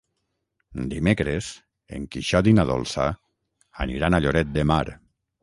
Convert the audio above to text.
Dimecres en Quixot i na Dolça aniran a Lloret de Mar.